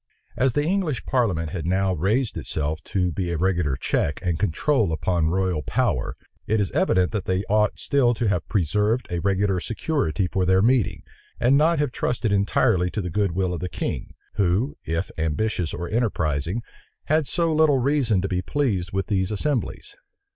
As the English parliament had now raised itself to be a regular check and control upon royal power, it is evident that they ought still to have preserved a regular security for their meeting, and not have trusted entirely to the good will of the king, who, if ambitious or enterprising, had so little reason to be pleased with these assemblies.